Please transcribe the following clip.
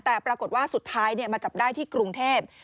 แต่ปรากฏว่าสุดท้ายมาจับได้ที่กรุงเทพ